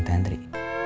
siapa anda hirui